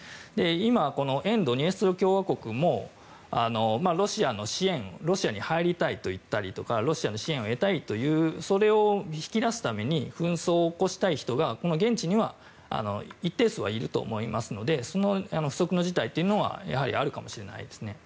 今、沿ドニエストル共和国もロシアに入りたいといったりとかロシアの支援を得たいというのを引き出すために紛争を起こしたい人が現地には一定数はいると思いますのでその不測の事態はあるかもしれないですね。